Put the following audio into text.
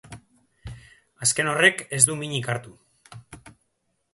Azken horrek ez du minik hartu.